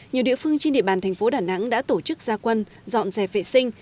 nhiều địa phương trên địa bàn thành phố đà nẵng đã tổ chức gia quân dọn dẹp vệ sinh